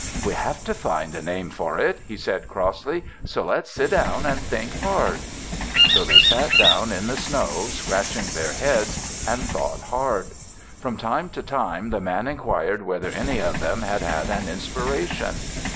"We have to find a name for it," he said crossly; "so let's sit down and think hard." So they sat down in the snow, scratching their heads, and thought hard. From time to time the Man enquired whether any of them had had an inspiration.